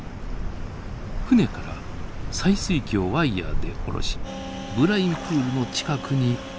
船から採水器をワイヤーで下ろしブラインプールの近くに誘導します。